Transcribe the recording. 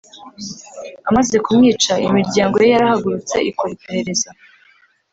Amaze kumwica imiryango ye yarahagurutse ikora iperereza